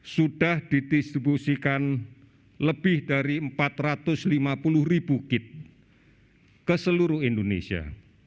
sudah didistribusikan lebih dari empat ratus lima puluh ribu kit ke seluruh indonesia